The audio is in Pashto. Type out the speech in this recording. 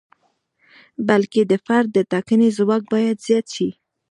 بلکې د فرد د ټاکنې ځواک باید زیات شي.